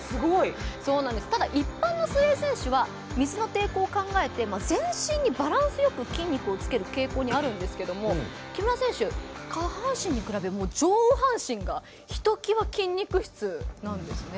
ただ、一般の水泳選手は水の抵抗を考えて全身にバランスよく筋肉をつける傾向があるんですが木村選手、下半身に比べ上半身がひときわ筋肉質なんですね。